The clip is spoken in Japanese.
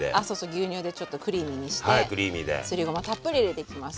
牛乳でちょっとクリーミーにしてすりごまたっぷり入れていきます。